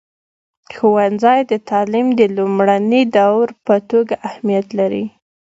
ښوونځی د تعلیم د لومړني دور په توګه اهمیت لري.